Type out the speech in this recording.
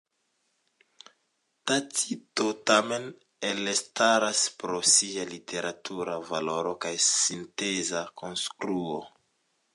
Tacito tamen elstaras pro sia literatura valoro kaj sinteza konstruo.